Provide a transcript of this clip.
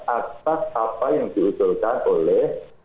atas apa yang diusulkan oleh